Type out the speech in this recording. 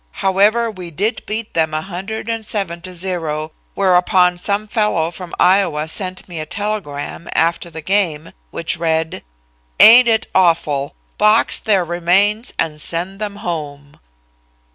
However, we did beat them 107 to 0, whereupon some fellow from Iowa sent me a telegram, after the game, which read: 'Ain't it awful. Box their remains and send them home.'"